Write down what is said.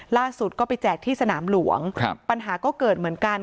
ล่าสุดก็ไปแจกที่สนามหลวงครับปัญหาก็เกิดเหมือนกัน